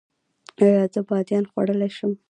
ایا زه بادیان خوړلی شم؟